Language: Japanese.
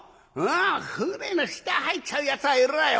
舟の下入っちゃうやつはいるわよ